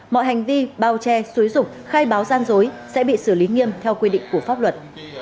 mọi hành vi bao che suối rục khai báo gian dối sẽ bị xử lý nghiêm theo quy định của pháp luật